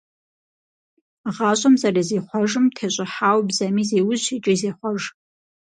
ГъащӀэм зэрызихъуэжым тещӀыхьауэ бзэми зеужь икӀи зехъуэж.